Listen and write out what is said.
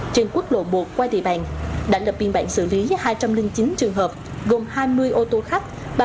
trên quốc lộ một qua địa bàn đã lập biên bản xử lý hai trăm linh chín trường hợp gồm hai mươi ô tô khách